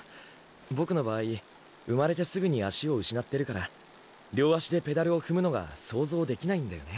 ボクの場合生まれてすぐに足を失ってるから両足でペダルを踏むのが想像できないんだよね。